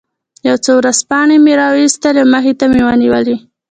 یو څو ورځپاڼې مې را وویستلې او مخې ته مې ونیولې.